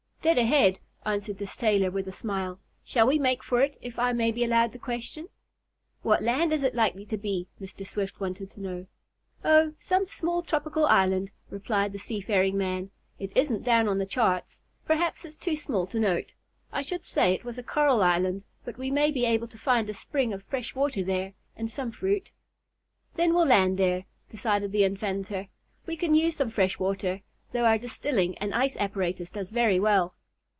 "Dead ahead," answered the sailor with a smile. "Shall we make for it, if I may be allowed the question?" "What land is it likely to be?" Mr. Swift wanted to know. "Oh, some small tropical island," replied the seafaring man. "It isn't down on the charts. Probably it's too small to note. I should say it was a coral island, but we may be able to find a spring of fresh water there, and some fruit." "Then we'll land there," decided the inventor. "We can use some fresh water, though our distilling and ice apparatus does very well."